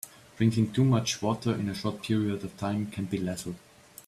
Drinking too much water in a short period of time can be lethal.